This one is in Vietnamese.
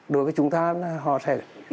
đối với chúng ta là họ sẽ